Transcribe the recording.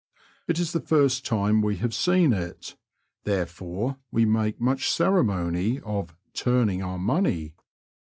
It is the first time we have seen it, therefore we make much ceremony of "turning our money."